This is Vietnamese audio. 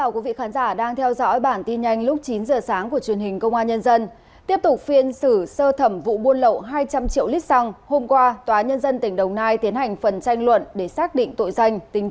cảm ơn các bạn đã theo dõi